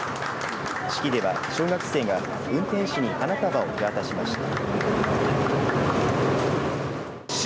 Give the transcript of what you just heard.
式では、小学生が運転士に花束を手渡しました。